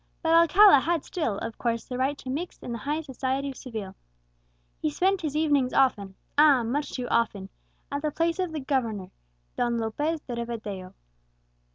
"But Alcala had still, of course, the right to mix in the highest society of Seville. He spent his evenings often ah! much too often at the palace of the governor, Don Lopez de Rivadeo."